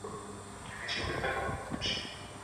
قلمي خط د ازموینو د ورکولو اصلي لاره ده.